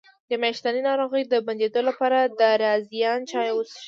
د میاشتنۍ ناروغۍ د بندیدو لپاره د رازیانې چای وڅښئ